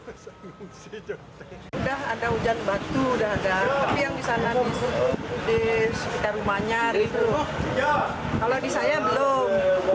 sudah ada hujan batu udah ada tapi yang di sana di sekitar rumahnya kalau di saya belum